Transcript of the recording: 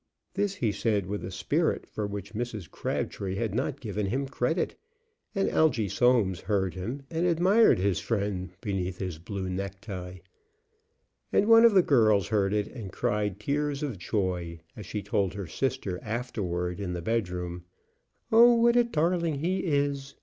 This he said with a spirit for which Mrs. Crabtree had not given him credit, and Algy Soames heard him and admired his friend beneath his blue necktie. And one of the girls heard it, and cried tears of joy as she told her sister afterward in the bedroom. "Oh, what a darling he is!"